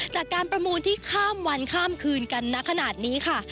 จากการประมูลที่ข้ามวันข้ามคืนกันนักขนาดนี้ค่ะ